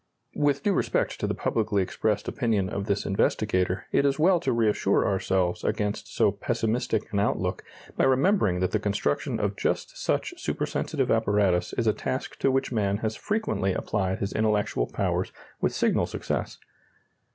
With due respect to the publicly expressed opinion of this investigator, it is well to reassure ourselves against so pessimistic an outlook by remembering that the construction of just such supersensitive apparatus is a task to which man has frequently applied his intellectual powers with signal success.